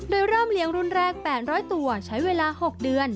โดยเริ่มเลี้ยงรุ่นแรก๘๐๐ตัวใช้เวลา๖เดือน